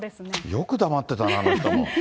よく黙ってたな、あの人も。